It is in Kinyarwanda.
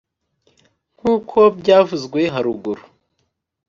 nkuko byavuzwe haruguru,